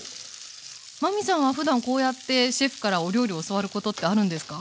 真海さんはふだんこうやってシェフからお料理を教わることってあるんですか？